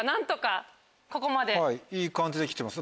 いい感じで来てますよ